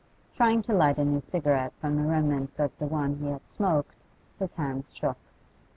Trying to light a new cigarette from the remnants of the one he had smoked, his hands shook.